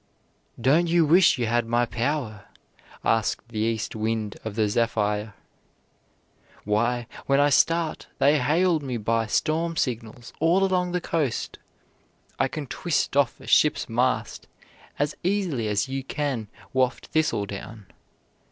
"Don't you wish you had my power?" asked the East Wind of the Zephyr. "Why, when I start they hail me by storm signals all along the coast. I can twist off a ship's mast as easily as you can waft thistledown.